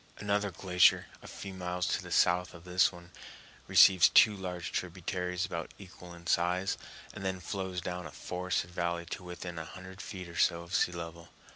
Another glacier, a few miles to the south of this one, receives two large tributaries about equal in size, and then flows down a forested valley to within a hundred feet or so of sea level.